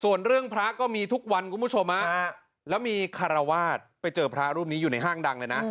ส่วนเรื่องพระก็มีทุกวันคุณผู้ชมแล้วมีคารวาสไปเจอพระรูปนี้อยู่ในห้างดังเลยนะ